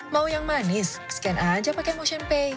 mau yang manis scan aja pakai motion pay